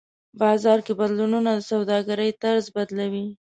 بازار کې بدلونونه د سوداګرۍ طرز بدلوي.